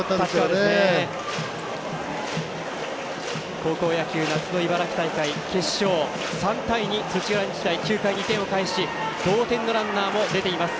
高校野球、夏の茨城大会決勝３対２、土浦日大９回に２点を返し同点のランナーも出ています。